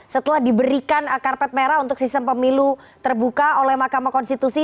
setelah diberikan karpet merah untuk sistem pemilu terbuka oleh mahkamah konstitusi